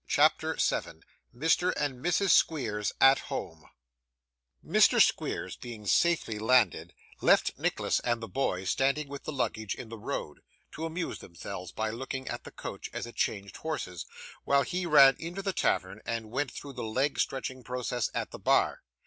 CHAPTER 7 Mr. and Mrs. Squeers at Home Mr. Squeers, being safely landed, left Nicholas and the boys standing with the luggage in the road, to amuse themselves by looking at the coach as it changed horses, while he ran into the tavern and went through the leg stretching process at the bar.